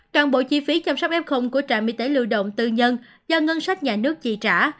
toàn bộ chi phí chăm sóc f của trạm y tế lưu động tư nhân do ngân sách nhà nước chi trả